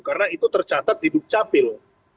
karena itu tercatat di bukcapil